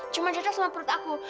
cuma cerita sama perut aku